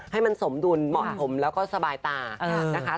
ให้มันสมดุลเหมาะสมแล้วก็สบายตานะคะ